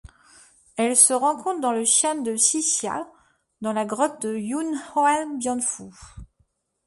Elle se rencontre dans le xian de Xixia dans la grotte Yunhuabianfu.